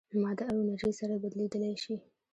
ماده او انرژي سره بدلېدلی شي.